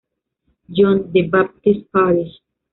John the Baptist Parish.